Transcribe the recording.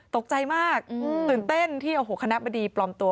ตกใจมากตื่นเต้นที่โอ้โหคณะบดีปลอมตัว